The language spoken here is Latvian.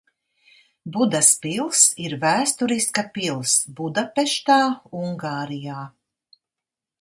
Budas pils ir vēsturiska pils Budapeštā, Ungārijā.